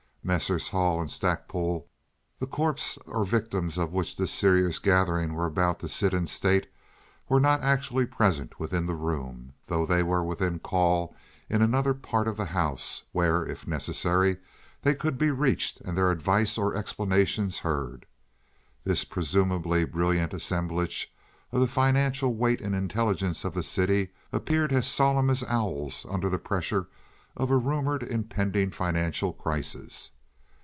Messrs. Hull and Stackpole, the corpses or victims over which this serious gathering were about to sit in state, were not actually present within the room, though they were within call in another part of the house, where, if necessary, they could be reached and their advice or explanations heard. This presumably brilliant assemblage of the financial weight and intelligence of the city appeared as solemn as owls under the pressure of a rumored impending financial crisis.